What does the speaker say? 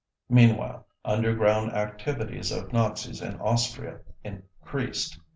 Meanwhile, underground activities of Nazis in Austria increased.